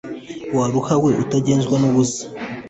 waruhawe utagenzwa nubusa